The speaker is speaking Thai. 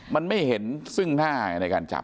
มันไม่เห็นซึ่งหน้าในการจับ